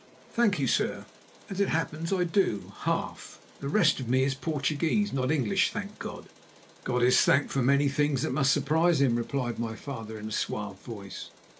"Thank you, sir; as it happens, I do, half. The rest of me is Portuguese, not English, thank God." "God is thanked for many things that must surprise Him," replied my father in a suave voice.